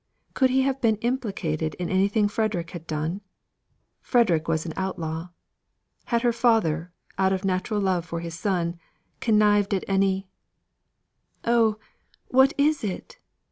Could he have become implicated in anything Frederick had done? Frederick was an outlaw. Had her father, out of a natural love for his son, connived at any "Oh! what is it?